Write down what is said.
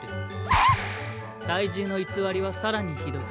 えっ⁉体重の偽りは更にひどく。